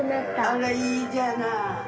あらいいじゃない！